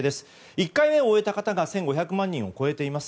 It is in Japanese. １回目を終えた方は１５００万人を超えています。